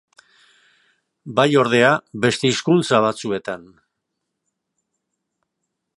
Bai, ordea, beste hizkuntza batzuetan.